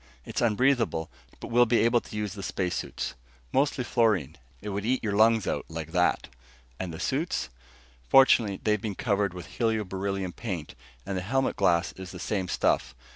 "It's unbreathable, but we'll be able to use the space suits. Mostly fluorine. It would eat your lungs out like that!" "And the suits?" "Fortunately, they've been covered with helio beryllium paint, and the helmet glass is the same stuff.